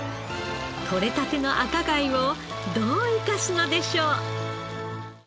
とれたての赤貝をどう生かすのでしょう？